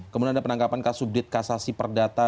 kemudian ada penangkapan kasudit kasasi perdata